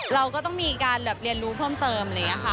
เราก็จะต้องมีการเรียนรู้เพิ่มนะคะ